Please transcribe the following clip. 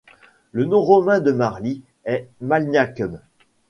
Le nom romain de Marly est Malniacum.